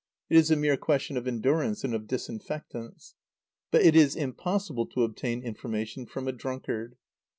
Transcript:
It is a mere question of endurance and of disinfectants. But it is impossible to obtain information from a drunkard.